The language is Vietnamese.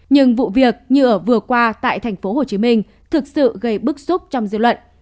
nhưng vụ việc như ở vừa qua tại tp hcm thực sự gây bức xúc trong dư luận